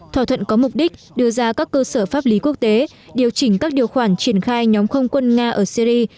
thỏa thuận có mục đích đưa ra các cơ sở pháp lý quốc tế điều chỉnh các điều khoản triển khai nhóm không quân nga ở syri